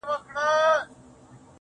غواړم چي ديدن د ښكلو وكړمـــه.